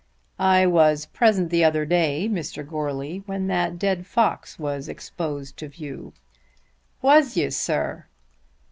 "I was present the other day, Mr. Goarly, when that dead fox was exposed to view." "Was you, sir?"